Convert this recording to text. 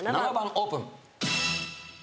オープン。